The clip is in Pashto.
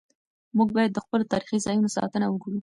موږ باید د خپلو تاریخي ځایونو ساتنه وکړو.